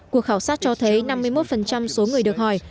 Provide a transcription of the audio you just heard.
cuộc khảo sát cho thấy năm mươi một số người được hỏi